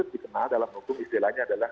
dikenal dalam hukum istilahnya adalah